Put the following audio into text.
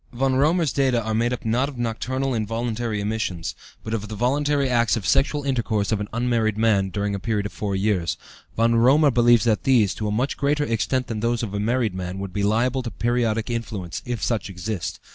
Von Römer's data are made up not of nocturnal involuntary emissions, but of the voluntary acts of sexual intercourse of an unmarried man, during a period of four years. Von Römer believes that these, to a much greater extent than those of a married man, would be liable to periodic influence, if such exist.